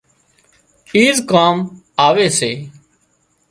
ايز ڪام آوي سي